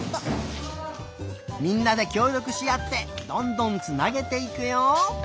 みんなできょうりょくしあってどんどんつなげていくよ。